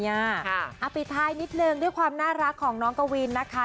เอาปิดท้ายนิดนึงด้วยความน่ารักของน้องกวินนะคะ